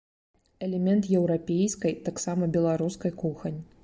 Элемент еўрапейскай, таксама беларускай, кухань.